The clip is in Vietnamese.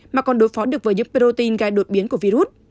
mà còn đối phó được với những protein gai đột biến của virus